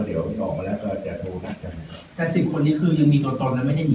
พวกมีเขาทำธุรกิจเขาทำงานอะไรคะรอถึงให้เขาได้ขนาดไหน